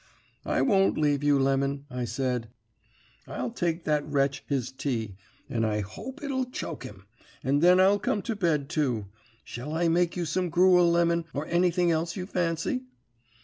"'I won't leave you. Lemon,' I said. 'I'll take that wretch his tea, and I hope it'll choke him, and then I'll come to bed too. Shall I make you some gruel, Lemon, or anything else you fancy?'